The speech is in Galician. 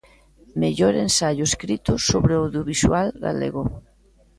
Mellor ensaio escrito sobre o audiovisual galego.